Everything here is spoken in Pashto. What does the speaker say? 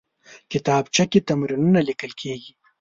کتابچه کې تمرینونه لیکل کېږي